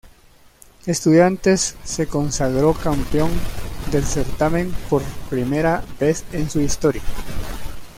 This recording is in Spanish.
Estudiantes se consagró campeón del certamen por primera vez en su historia.